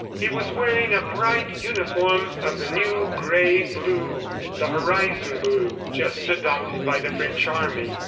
He was wearing a bright uniform of the new gray blue, the "horizon blue" just adopted by the French army.